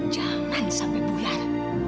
jangan sampai buyar